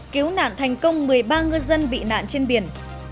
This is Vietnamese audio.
cứu nạn thành công một mươi ba ngư dân bị nạn trên biển